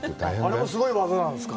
あれもすごい技なんですか。